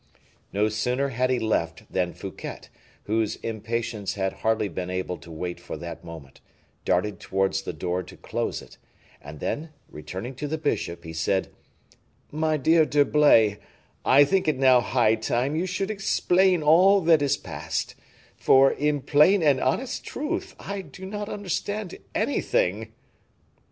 No sooner had he left, than Fouquet, whose impatience had hardly been able to wait for that moment, darted towards the door to close it, and then returning to the bishop, he said, "My dear D'Herblay, I think it now high time you should explain all that has passed, for, in plain and honest truth, I do not understand anything."